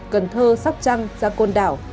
cần thơ sóc trăng ra côn đảo